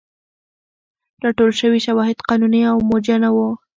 راټول شوي شواهد قانوني او موجه نه وو.